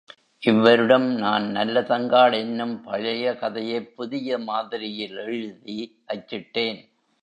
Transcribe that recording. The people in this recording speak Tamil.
இவ்வருடம் நான் நல்லதங்காள் என்னும் பழைய கதையைப் புதிய மாதிரியில் எழுதி அச்சிட்டேன்.